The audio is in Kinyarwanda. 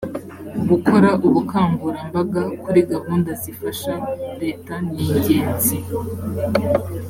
gukora ubukangurambaga kuri gahunda zifasha reta ningenzi.